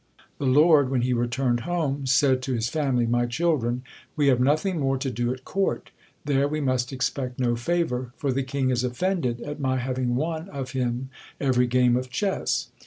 The lord, when he returned home, said to his family "My children, we have nothing more to do at court: there we must expect no favour; for the king is offended at my having won of him every game of chess."